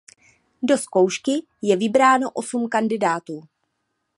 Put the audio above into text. Do zkoušky je vybráno osm kandidátů.